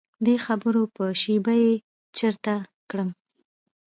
دې خبرو به شیبه بې چرته کړم.